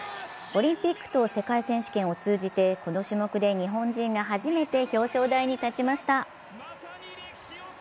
オリンピックと世界選手権を通じてこの種目で日本人が初めて表彰台に立ちました。